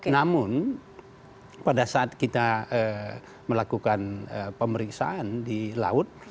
namun pada saat kita melakukan pemeriksaan di laut